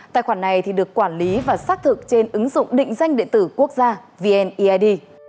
tài khoản này được quản lý và sát thử trên ứng dụng định danh điện tử quốc gia vneid